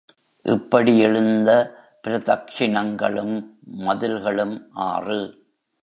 இப்படி எழுந்த பிரதக்ஷிணங்களும் மதில்களும் ஆறு.